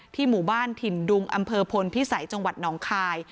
ที่หมู่บ้านถิ่นดุงอพพิศัยจนองคาย